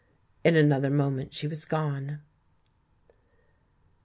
In another moment she was gone.